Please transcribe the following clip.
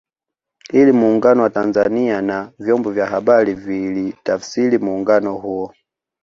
Ili Muungano wa Tanzania na vyombo vya habari vilitafsiri muungano huo